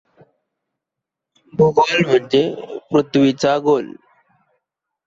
भूगोल म्हणजे पृथ्वीचा गोल.